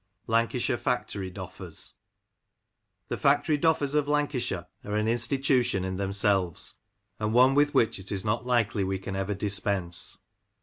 LANCASHIRE FACTORY DOFFERS. THE Factory Doffers of Lancashire are an institution in themselves, and one with which it is not likely we can ever dispense.